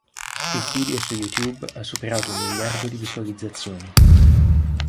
Il video su YouTube ha superato un miliardo di visualizzazioni.